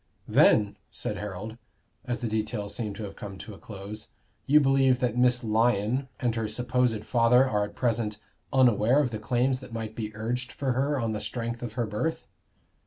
"Then," said Harold, as the details seemed to have come to a close, "you believe that Miss Lyon and her supposed father are at present unaware of the claims that might be urged for her on the strength of her birth?"